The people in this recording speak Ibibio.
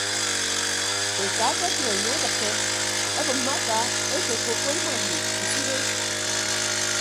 Eka ekekịt enye edịkke ebịmme aka ete koko ima mi nsido.